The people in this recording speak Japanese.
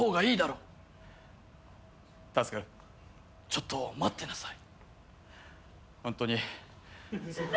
ちょっと待ってなさい。